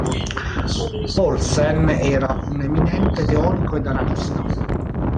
Paulsen era un eminente teorico ed analista.